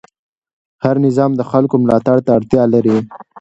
هر نظام د خلکو ملاتړ ته اړتیا لري